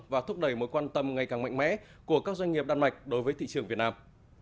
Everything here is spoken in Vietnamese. và thúc đẩy mối quan tâm ngày càng mạnh mẽ của các doanh nghiệp đan mạch đối với thị trường việt nam